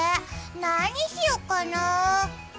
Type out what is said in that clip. なにしようかな？